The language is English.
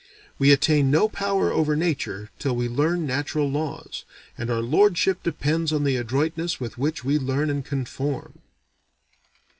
"We attain no power over nature till we learn natural laws, and our lordship depends on the adroitness with which we learn and conform."